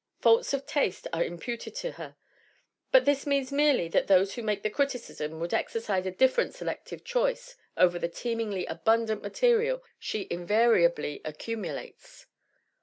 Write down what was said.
Faults of taste are imputed to her, but this means merely that those who make the criticism would exercise a different selective choice over the teemingly abundant material she invariably accumu lates.